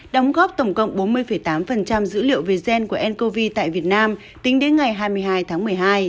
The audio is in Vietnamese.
đóng góp tổng cộng bốn mươi tám dữ liệu về gen của ncov tại việt nam tính đến ngày hai mươi hai tháng một mươi hai